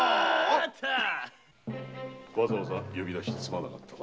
わざわざ呼び出してすまなかったな。